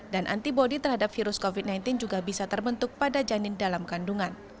dan antibody terhadap virus covid sembilan belas juga bisa terbentuk pada janin dalam kandungan